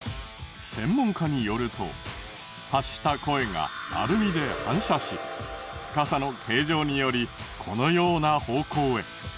専門家によると発した声がアルミで反射し傘の形状によりこのような方向へ。